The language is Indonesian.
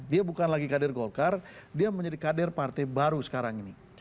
dia bukan lagi kader golkar dia menjadi kader partai baru sekarang ini